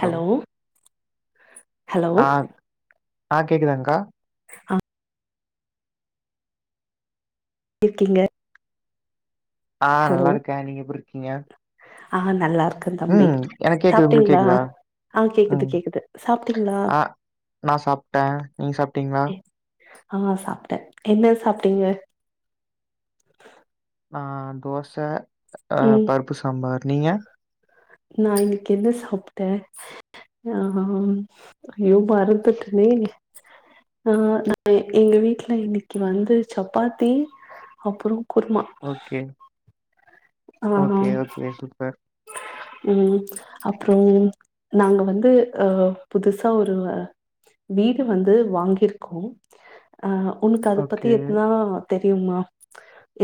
Hello hello ஆஹ் கேக்குதாங்க்கா ஆஹ் இருக்கீங்க ஆ ஹலோ நல்லா இருக்கே நீங்க எப்டி இருக்கீங்க ஆ நல்லா இருக் உம் எனக் கேக்குது உங்களுக்கு கேக்குதா ஆ கேக்குது உம் கேக்குது சாப்ட்டீங்களா அ நா சாப்ட்ட நீங்க சாப்ட்டீங்களா ஆஹ் சாப்ட்டே என்ன சாப்பிட்டீங்க ஆ தோச ஆஹ் ம் பருப்பு சாம்பார் நீங்க நா இன்னைக்கு என்ன சாப்ட்ட ஆஹ் யோ மறந்துட்டனே ஆ நா எங்க வீட்டுல இன்னைக்கு வந்து சப்பாத்தி அப்புறொ குருமா ஓகே ஆ ஓகே ஓகே சூப்பர் ம் அப்புறொ நாங்க வந்து அஹ் புதுசா ஒரு வீடு வந்து வாங்கியிருக்கோ அஹ் உனக்கு அத பத்தி ஓகே எதுனா தெரியுமா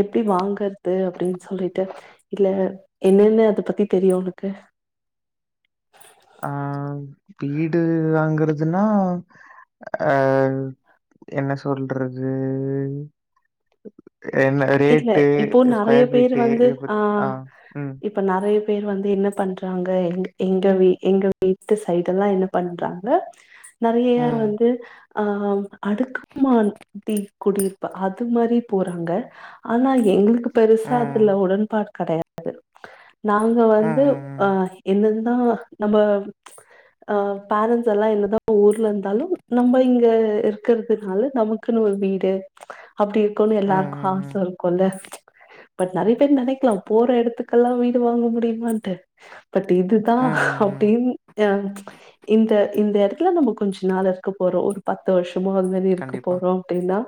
எப்டி வாங்கறது அப்படின் சொல்லிட் ட்டு இல்ல என்னனு அத பத்தி தெரியு உனக்கு ஆ வீடு வாங்கறதுன்னா அஹ் என்ன சொல்றது என்ன இல்ல ரேட்டு இப்போ நெறைய ஸ்கொயர் பேர் ஃபீட்டு வந்து இத பத்தி ஆ உம் இப்ப நெறைய பேர் வந்து என்ன பண்றாங்க எங் எங்க வீ எங்க வீட்டு சைடெல்லா என்ன பண்றாங்க நெறைய ம் வந்து அ அடுக்கு [inaudible] குடியிருப்பு அது மாரி போறாங்க ஆனா எங்களுக்கு பெருசா ம் அதுல உடன்பாடு கெடையாது நாங்க ம் வந்து ம் ம் அ என்னது தா நம்ப ஆ பேரண்ட்ஸ் எல்லா என்னதா ஊர்ல இருந்தாலு நம்ம இங்க இருக்கற்துனால நமக்குன்னு ஒரு வீடு அப்படி இருக்கோனு ம் ம் எல்லாருக்கு ஆச ம் க்குல்ல பட் நெறைய பேர் நெனைக்கலா போற எடத்துக்கெல்லா வீடு வாங்க முடியுமான்ட்டு பட் இதுதா ம் ம் ம் அப்டின் ஹ இந்த இந்த எடத்துல நம்ம கொஞ்ச நாள் இருக்க போறோ ஒரு பத்து வருஷ சும்மா அதுமாரி இருக்க கண்டிப்பா. போறோ அப்டின்னா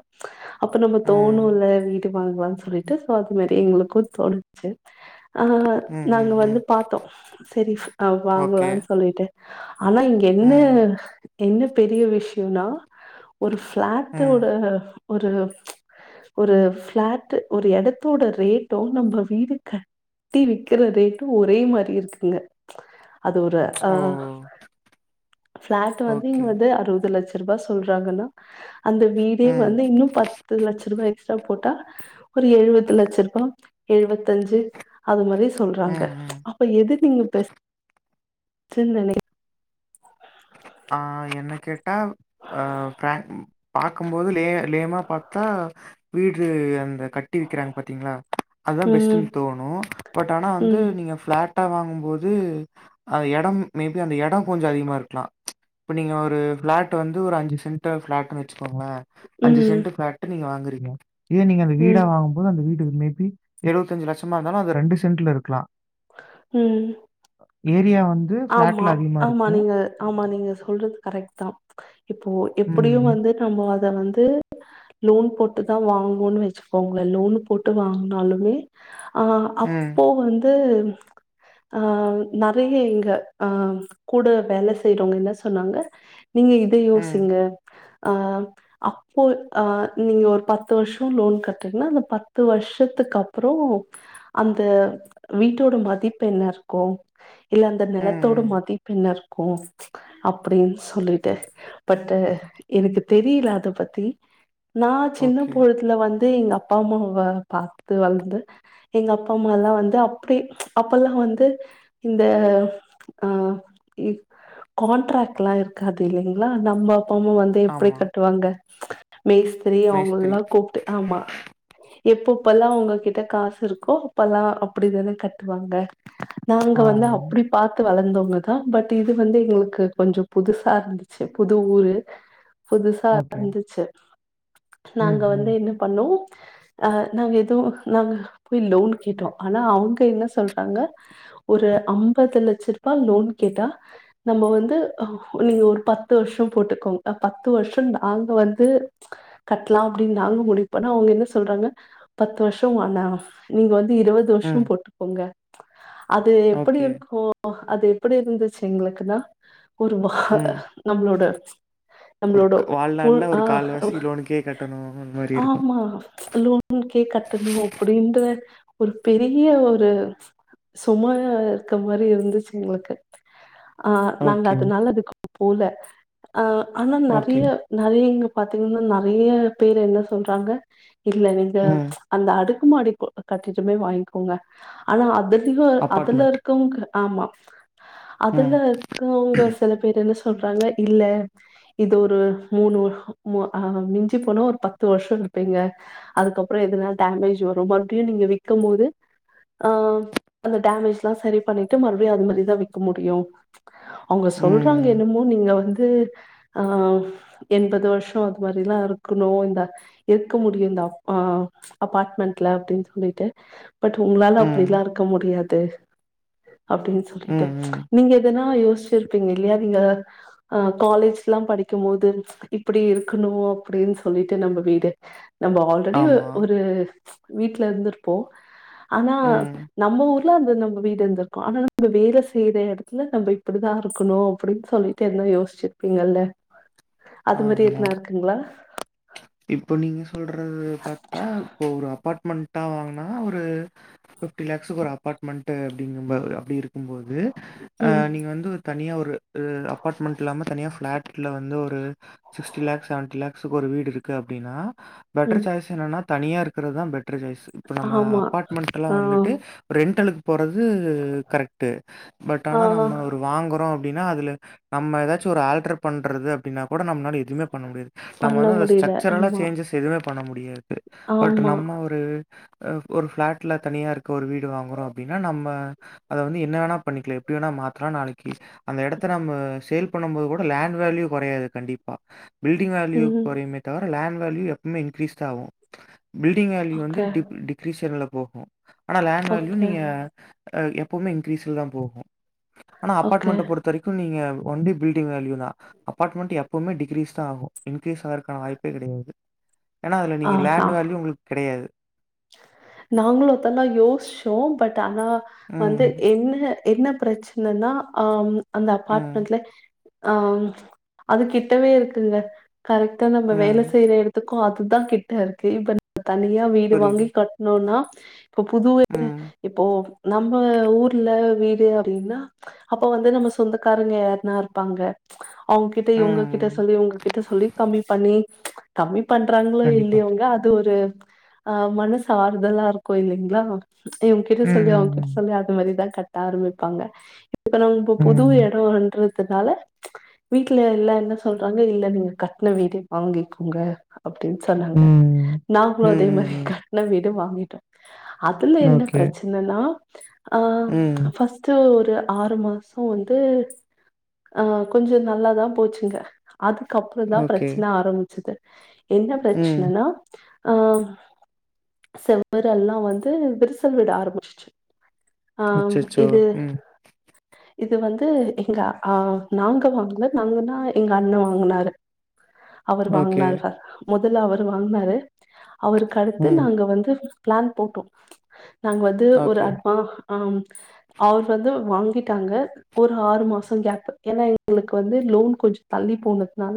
அப்ப நம்ம ம். தோணுல்ல வீ டு வாங்குலான் சொல்லிட்டு சோ அது மாரி எங்களுக்கு தோணுச்சு ஆஹ் ம், ம், நாங்க ம். வந்து பாத்தோ சரி அ ஓகே. வாங்கலான் சொல்லிட்டு ஆனா இங்க என்ன ம், என்ன பெரிய விஷயோனா ஒரு ம். ஃப்ளாட்டோட ஒரு ப்ச் ஒரு பிளாட் ஒரு எடத்தோட ரேட்டும் நம்ம வீடு கட்டி விக்கிற ரேட்டும் ஒரே மாரி இருக்குங்க அது ஒரு அ ஓ! ப்ளாட் வந்து ஓகே. இங்க வந்து அறுவது லட்ச [unintelligible] சொல்றாங்கன்னா அந்த வீடே ம், வந்து இன்னும் பத்து லட்சம் ரூபாய்க் சப்போட்டா ஒரு எழுவது லட்ச ரூபா எழுபத்தஞ்சு அது மாரி ம், சொல்றாங்க ம். அப்ப எது நீங்க பெஸ் சின்னனை ஆஹ் என்ன கே அ ஆ பேட் பாக்குபோது லே லேமா பாத்தா வீடு அந்தக் கட்டி வீக்கிறாங்க பாத்தீங்களா அதுதா பெஸ்ட் ம் தோணு பட் ஆனா வந்து ம் நீங்க பளாட் பட்டா வாங்கும்போது அந்த எடம் மேபி அந்த எடம் கொஞ்சோ அதிகமா இருக்கலா இப்ப நீங்க ஒரு பிளாட் வந்து ஒரு அஞ்சு சென்டர் பிளாட்ன்னு வச்சு போங்ளே அஞ்சு ம் சென்ட் ப்ளேட் நீங்க வாங்கு [unintelligible] இதே நீங்க அந்த ம் வீடா வாங்கும் போது அந்த வீடு மேபி எழுவத்திஞ்சு லட்சமா இருந்தாலு அது ரெண்டு சென்ட்ல இருக்குலா உம் ஏரியா வந் ஆமா ஆமா நீங்க ஆமா நீங் நீங்க சொல்றது கரெக்ட் தா இப்போ எப்டியு ம். வந்து நம்மோ அ அத வந்து லோன் போட்டுதா வாங்கணுன் வச்சுக்கோங்களேன் லோன் போட்டு வாங்கினாலுமே ஆ ம், அப்போ வந்து ஆஹ் நெறைய இங்க ஆஹ் கூட வேல செய்றவங்க என்ன சொன்னாங்க நீங்க இத ம், யோசிங்க அஹ் அப்போ அஹ் நீங்க ஒரு பத்து வருஷம் லோன் கட்றீங்ன்னா அந்த பத்து வருஷத்துக்கு அப்புறம் அந்த வீட்டோட மதிப்பு என்ன இருக்கு இல்ல அந்த ம், நெல த்தோடு ம். மதி பின்னர் [unintelligible] அப்டின் சொல்லிட்டு பட் எனக்கு தெரியிலா அத பத்தி நா சின்ன ஓகே. பொழுத்துல வந் எங்க அப்பா அம்மாவ பாத்து வளந்து எங்க அப்பா அம்மால்லா வந்து அப்டி அப்பல்லா வந்து இந்த ஆ இ கான்ட்ராக்ட்லா இருக்காது இல்லைங்களா நம்ப அப்பமு வந்து எப்படி ஆமா. கட்டுவாங்க மேஸ்திரி அவுங்க மேஸ்திரி. லா கூப்ட்டு ஆமா எப்பப்பல்லா அவுங்ககிட்ட காசு இருக்கு கோப்பல்லா அப்டிதான கத்துவாங்க நாங்க ஆ. வந்து அப்டி பத் வளந்தோங்கதா பட் இது வந்து எங்களுக்கு கொஞ்சோ புதுசா இருந்துச்சு புது ஊரு புதுசா ஓகே. இருந்துச்சு ம், நாங்க வந்து ம். என்ன பண்ணோ அஹ் நாங்க எது நாங்க போய் லோன் கேட்டோ ஆனா அவங்க என்ன சொல்றாங்க ஒரு ஐம்பது லட்ச லோன் கேட்டா நம்ம வந்து நீங்க ஒரு பத்து வருஷா போட்டுக்கோங்க பத்து வருஷா நாங்க வந்து கட்டலா அப்டின்னு நாங்க முடிப்பனா அவோங்க என்ன சொல்றாங்க பத்து வருஷா வானா நீங்க வந்து இருவோது வருஷா ம். போட்டுங்க அது எப்டி ஓகே. இருக்கோ அது எப்டி இருந்துசி எங்களுக்கு நா ஒருவ ம். நம்மளோட ஒரு நம்ளோட க் ஃபுல் வாழ்நாள்ல ஒரு ஆ கால்வாசி லோனுக்கே கட்டணும் அந்த மாரி இருக்கும். ஆமா லோன் கே கட்டணு அப்டின்ற ஒரு பெரிய ஒரு சுமையா இருக்க மாரி இருந்து ச்சு உங்களுக்கு ஆஹ் நாங்க ஓகே, அது நல்லதுக்கூ போல அ ஆனா ஓகே. நறைய நறைய இங்க பாத்தீங்கன்னா நறைய பேரு என்ன சொல்றாங்க இல்ல நீங்க ம். அந்த அடு அடுக்கமாடி கட்டமே வாங்கிக்கோங்க ஆனா அ அதிகோ அதுல அபார்ட்மெண்ட். இருக்கவங்க ஆமா அதுல ம், இருக்கவங்க சில பேர் என்ன சொ சொல்றாங்க இல்ல இது ஒரு மூணு ஹ மிஞ்சி போனா ஒரு பத்து வருஷா இருப்பீங்க அதுக்கரோ எதுனா டேமேஜ் வரு மறுபடியு நீங்க விக்கு போது ஹ டேமேஜ் லா சரி பண்ண த்து மறுபடி அது மாரிதா விக்க முடியு அவுங்க சொல்றாங்க ம், என்னமோ நீங்க வந்து ஆஹ் எண்பது வருஷா அது மாரிலா இருக்கணோ இந்த இருக்க முடியு இந்த ஆஹ் அபாட்மெண்ட்ல அப்டின்னு சொல்லிட்டு பட் உங்களால ம். அப்டிலா இருக்க முடியாது தோ அப்டின்னு சொல்லிட்டு ம், ம். நீங்க எதனா யோசிச்சிருப்பீங்க இல்லையா நீங்க ஆஹ் காலேஜ்லா படிக்கு போது இப்டி இருக்கணோ அப்டின்னு சொல்லிட்டு நம்ம வீடு நம்ம ஆல்ரெடி ஆமா. ஒரு வீட்டு்ல இருந்துருப்போம் ஆனா ம். நம்ம ஊர் [unintelligible] நம்ம வீடு ஆனா நம்ம வேலை செய்யற இடத்துல நம்ம இப்படிதான் இருக்கணும் அப்படின்னு சொல்லிட்டு என்ன யோசிச்சிருப்பீங்கல்ல அது மாதிரி ஆமா. எதுனா இருக்குங்களா இப்போ நீங்க சொல்றது [unintelligible] வாங்கினா ஒரு ஃபிப்டி லாக்ஸ்ஸுக்கு ஒரு அப்பார்ட்மெண்ட்ட் அப்படிங்கும் அப்படி இருக்கும்போது ம், ஆஹ் நீங்க வந்து தனியாக ஒரு அபார்ட்மெண்ட் இல்லாம தனியா பிளாட் [unintelligible] வந்து ஒரு சிக்ஸ்டி லக்ஸ் செவன்டி லக்ஸக்கு ஒரு வீடு இருக்கு இருக்கு அப்படின்னா பெட்டர் ம். சாய்ஸ் என்னனா தனியா இருக்கிறதான் [unintelligible] பெட்டர் சாய்ஸ் ஆமா. அப்பார்ட்மெண்ட் எல்லாம் ஆ, வந்துட்டு ரெண்ட்டலுக்கு போறது கரெக்ட் பட் ஆ. ஆனா நம்ம வாங்குறோம் அப்பனா அதுல நம்ம ஏதாச்சும் ஒரு ஆல்டர் பண்றது அப்படின்னா நம்மளால எதுவுமே பண்ண முடியாது நம்ம பண்ண வந்து முடியல. [unintelligible] ஆமா, சேஞ்சஸ் எதுவுமே பண்ண முடியாது பட் ஆமா. நம்ம ஒரு ஒரு பிளாட்ல தனியா இருக்க ஒரு வீடு வாங்குறோம் அப்படின்னா நம்ம அதை வந்து என்ன வேணா பண்ணிக்கலாம் எப்படி வேணா மாத்தலாம் நாளைக்கு அந்த இடத்த நம்ம சேல் பண்ணும் போது கூட லேண்ட் வேல்யூ குறையாது கண்டிப்பா பில்டிங் வேல்யூ ம். குறையுமெ லேண்ட் வேல்யூ எப்பவுமே இன்கிரீஸ் ஆகும் பில்டிங் வேல்யூ வந்து ஓகே, டிகிரிஸ்ல ஓ ஹோ ஆனா லேண்ட் வேல்யூ ஓகே, நீங்க அ எப் எப்போம்மே இன்கிரிஸ்ல தா போகு ஆனா ஓகே. அப்பார்ட்மெண்ட பொறுத்த வரைக்கு நீங்க ஒன்லி பில்டிங் வேல்யூ தா அபார்ட்மெண்ட் எப்பவுமே டிகிரீஸ் தா ஆகு இன்கிரீஸ் ஆதற்கான வாய்பு கெடையாது ஏனா அதுல ஆ நீங்க லேண்ட் வேல்யூ உங்களுக்கு கெடையாது நாங்களும்த்தனா யோசிச்சோ பட் டு ஆனா வந்து ம், என்ன என்ன பிரச்சனன்னா அஹ் அந்த ம், அபார்ட்மெண்ட்ல ஆஹ் அது கிட்டவே இருக்குங்க கரெக்டா நம்ப வேலை ம். செய்யிற இடத்து க்கோ அது தா கிட்டருக்கு இப்ப தனிய வீடு புரியுது. வாங்கி கட் சொன்னா இப்ப புதுவே ம், இப்போ நம்ம ஊர்ல வீடு அப்டின்னா அப்ப வந்து நம்ப சொந்தக்காரங்க யாருன்னா இருப்பாங்க அவுங்க கிட்ட இவுங்க கிட்ட ம். சொல்லி உங்ககிட்ட சொல்லி கம்மி பண்ணி கம்மி பண்றாங்களோ கண்டிப்பா. இல்லையோங்க அது ஒரு அஹ் மனுசு ஆறுதலாருக்கு இல்லைங்களா இவன் கிட்ட ம், சொல்லி ம், அவன்கிட்ட ம். சொல்லி அது மாதிரிதா க ஆரமிப்பாங்க இப்ப நாங்க இப்ப ம், புது எடோ அண்றந் அதனால வீட்டுல எல்லா என்ன சொல்றாங்க இல்ல நீங்க கட்டின வீடு வாங்கிக்கோங்க அப்டின்னு சொன்னாங்க ம். நாங்களு ம், அதே ம், மாரி ம். கட் வீடு வாங்கிட்டோ அதுல என்ன ஓகே. பிரச்சனன்னா ஆ ம். ஃபர்ஸ்ட் ஒரு ஆறு மாசே வந்து ஆஹ் கொஞ்சோ நல்லாதா போச்சுங்க அதுக்கப்புறோ தா ஓகே. பிரச்சன ஆரம்பிச்சுது என்ன ம். பிரச்சனனா ஆஹ் செவரல்லாம் வந்து விரிசல் விட ஆரம்பிச்சுச் சு ஆஹ் அச்சச்சோ! இது ம். இது வந்து எங்க அஹ் நாங்க வாங்கல நாங்கன்னா எங்க அண்ண வாங்கினாரு அவரு ஓகே. வாங்கினாரு முதல்ல அவர் வாங்கினாரு அவருக்கு அடுத் து ம். நாங்க வந்து பிளான் போட்டோம் நாங்க வந்து ஒரு ஓகே, அட்வ ஆஹம் அவர் வந்து வாங்கிட்டாங்க ஒரு ஆறு மாசம் கேப் ஏன்னா எங்களுக்கு வந்து லோன் கொஞ்சம் தள்ளி போனதுனால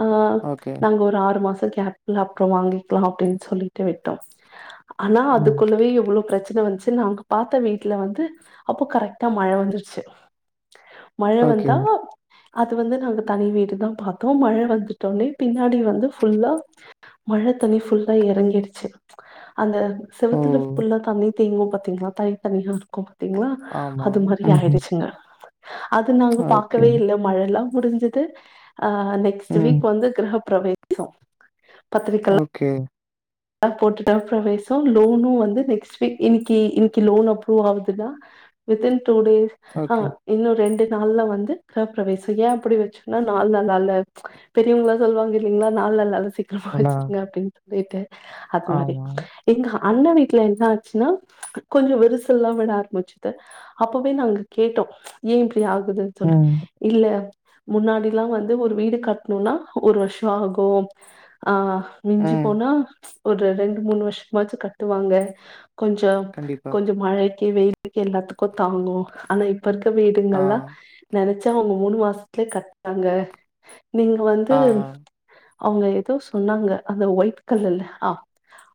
ஆ ஓகே. நாங்க ஒரு ஆறு மாசொ கேப்ல அப்ற வாங்கிக்கலா அப்டின் சொல்லி தி விட்டோ ஆனா ம். அதுக்குள்ளவே இவ்ளோ பிரச்சன வந்துச்சு அவங்க பாத்த வீட்ல வந்து அப்போ கரெக்டா மழ வந்துருச்சு மழ ஓகே. வந்தா அது வந்து நாங்க தனி வீடு தா பாத்தோ மழ வந்துட்டோனே பின்னாடி வந்து ஃபுல்லா மழ தண்ணி ஃபுல்லா இறங்கிடுச் அந்த ஓ! செவுத்துல ஃபுல்லா தண்ணி [unintelligible] பாத்தீங்னா தனி தனியாருக்கு பாத்திங்களா ஆமா. அது மாரி ம்ஹ்ம். ஆயிடுச்சுங்க அது நாங்க ஓகே. பாக்கவே இல்ல மழலா முடிஞ்சிது ஆ நெக்ஸ்ட் ம். வீக் வந்து கிரஹப்ப [unintelligible] ஓகே போட்டுட்டா [unintelligible] லோனும் வந்து நெக்ஸ்ட் வீக் இன்னைக்கு இன்னைக்கு லோன் அப்ரூவ் ஆகுதுன்னா within M two days ஆ ஓகே. இன்னு ரெண்டு நாள்ல வந்து கிரப்பிரவேச ஏன் அப்டி வச்சனா நாள் நல்லால்ல பெரியவங்க சொல்லுவாங்க இல்லங்களா நாள் நல்லா சீக்கிரமா நல்லா வச்சிருங்க அப்டின் சொல்லிட்டு அது மாரி ஆமா. எங்க அண்ண வீட்ல என்னாசுனா கொஞ்ச விரிசல்லாவிட ஆரம்பிச்சது அப்பவே நாங்க கேட்டோ ஏன் இப்டி ஆகுது சொல் ம், இல்ல முன்னாடிலா வந்து ஒரு வீடு கட்ணுனா ஒரு வருஷம் ஆகு ஆ மிஞ்சி ம். போனா ஒரு ரெண்டு மூணு வருஷமாச்சும் கட்டுவாங்க கொஞ்ச கண்டிப்பா. கொஞ்சோ மழை வெயிலுக்கு எல்லாத்துக்கு தாங்கு ஆனா இப் இப்பருக்க ஆ, வீடுங்கல்லா நெனைச்ச [unintelligible] அவ்ங்க மூணு மாசத்துலியே கத்டாங்க நீங்க வந்து ஆ, ஆ. அவங்க ஏதோ சொன்னாங்க அந்த ஒயிட் கலர்ல ஆஹ்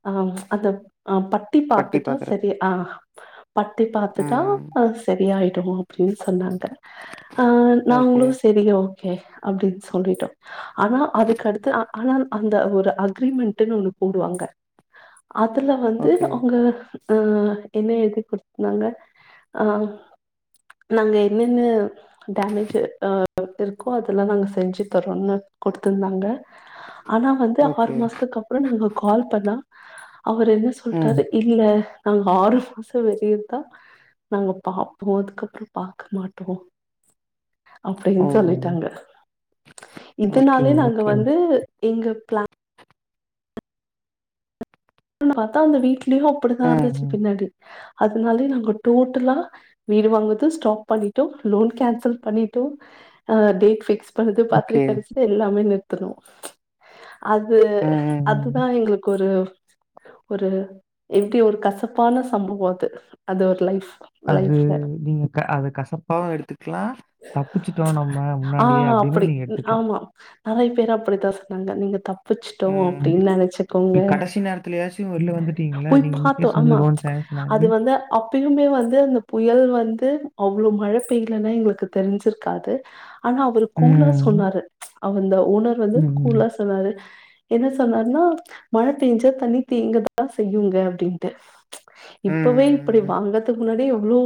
ஆஹ் அத ஆ பட்டி பாத்துட்டா சரி ஆ பட்டி பாத்துதான் ம். அது சரியாயிட் மொ அப்டினு சொன்னாங்க ஆஹ் ஓகே, நாங்களும் சேரி ஓ கே அப்படின்னு சொல்லிட்டோம் ஆனா அதுக்கடுத்து ஆனா அந்த ஒரு அக்ரிமெண்ட்னு ஒன்னு கூடுவாங்க அதுல வந்து ஓகே, அவங்க அஹ் என்ன எழுதி கொடுத்தருந்தாங்க அஹ் நாங்க என்னென்ன டேமேஜ் அஹ் இருக்கோ அதெல்லாம் நாங்க செஞ்சு தரோம்னு கொடுத்திருந்தாங்க ஆனா வந்து ஓகே. ஆறு மாசத்துக்கு அப்பறம் நாங்க ப னா அவர் என்ன ம். சொல்றாரு இல்ல நாங்க ஆறு மாசம் வெறியுதான் நாங்க பாப்போம் அதுக்கப்பறம் பார்க்க மாட்டோம் ஓ! அப்படின்னு சொல்லிட்டாங்க ஓகே, இதனாலே நாங்க ஓகே. வந்து எங்க பிளா ஒ பாத்தா அந்த வீட் ப்படியோ அப்படி தான் ம், இருந்துச்சு ம். பின்னாடி அதுனாலயே நாங்க டோட்டலா வீடு வாங்கறது ஸ்டாப் பண்ணிட்டோ லோன் கேன்சல் பண்ணிட்டோ டேட் ஃபிக்ஸ் இப்பழுது ஓகே. பத்திரக்கடிச்சது எல்லாமே நிறு த் [unintelligible] அது ம், ம், ம். அதுதான் எங்களுக்கு ஒரு [inaudible] ஒரு எப்படி ஒரு கசப்பான சம்பவம் அது அது ஒரு லைஃப் அது லைஃப்ல நீங்க க அத கசப்பாவு எடுத்துக்லா தப்பிச்சுட்டோம் நம்ம முன்னாடியே அப்படின்னு நீங்க எடுத்துக்லா நிறைய பேர் அப்படித்தான் சொன்னாங்க நீங்க த பிச்சுட்டோம் ம். அப்படின்னு நினைச்சக்கோங்க கடைசி நேரத்துலயாச்சும் வெளில வந்துட்டீங்கல்ல, போய் நீங்க பார்த்தோம் இன்கேஸ் வந்து ஆமா லோன் சேங்ஷன் அது ஆகி வந்து அப்பயுமே வந்து அந்த புயல் வந்து அவ்வளவு மழை பெய்யலன்னா எங்களுக்கு தெரிஞ்சிருக்காது ஆனா அவரு கூளா ம், சொன்னாரு அவந்த ஓனர் வந்து ம், ம். கூலா ம். சொன்னாரு என்ன சொன்னாருன்னா மழ பேஞ்ச தனி தேங்கதான் செய்யுங்க அப்படின்ட்டு ம், இப்பவே இப்படி ம். வாங்கறதுக் முன்னாடியே எவ்ளோ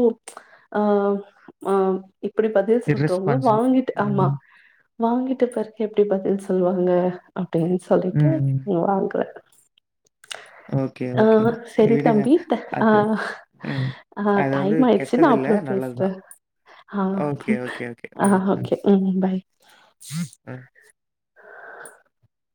ஆஹ் ஆஹ் அப்படி பதில் சொல்றவங்க இர்ரெஸ்பான்சிபிள். வாங்கிட்டு ஆமா ம். வாங்கிட்டு பிறக்கு எப்படி பதில் சொ சொல்லுவாங்கல அப்படின்னு சொல்லிட்டு ம். வாங்கறேன் ஓகே, ஓகே. ஆஹ் சரி விடுங்க. தம்பி அது ஆஹ் ம். ஆஹ் அது வந்து டைம்யிடுச்சு நான் கெட்டதில்ல, அப்புறம் நல்லது தான். பேசறேன் ஆஹ் ஓகே, ஓகே, ஓகே. ம், ஆஹ் ம், ஓகே உம் பாய் ம். [inaudible]